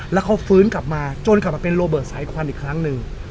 แล้วเขาฟื้นกลับมาจนกลับมาเป็นโรเบิร์ตสายควันอีกครั้งหนึ่ง